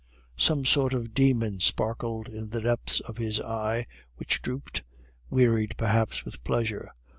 Some sort of demon sparkled in the depths of his eye, which drooped, wearied perhaps with pleasure.